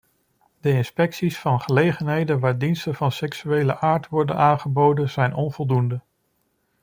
De inspecties van gelegenheden waar diensten van seksuele aard worden aangeboden, zijn onvoldoende.